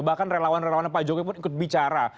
bahkan relawan relawannya pak jokowi pun ikut bicara